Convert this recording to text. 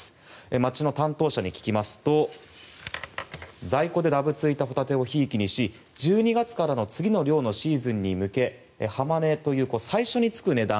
町の担当者に聞きますと在庫でだぶついたホタテをひいきにし１２月からの次の漁のシーズンに向け浜値というと最初につく値段